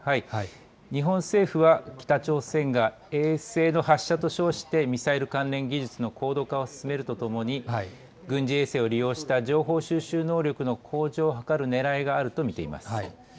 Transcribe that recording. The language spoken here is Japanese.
日本政府は北朝鮮が衛星の発射と称してミサイル関連技術の高度化を進めるとともに軍事衛星を利用した情報収集能力の向上を図るねらいがあると見ています。